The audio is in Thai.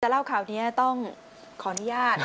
เล่าข่าวนี้ต้องขออนุญาต